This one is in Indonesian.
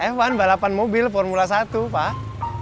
f satu balapan mobil formula satu pak